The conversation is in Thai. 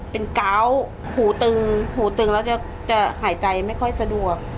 เป็นก้าวหูตึงหูตึงแล้วจะหายใจไม่ค่อยสะดวก